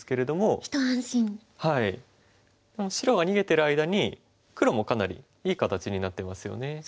でも白が逃げてる間に黒もかなりいい形になってますよね。